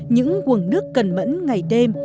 những quần nước cần mẫn ngày đêm